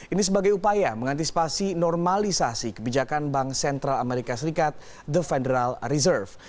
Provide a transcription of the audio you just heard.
ini sebagai upaya mengantisipasi normalisasi kebijakan bank sentral amerika serikat the federal reserve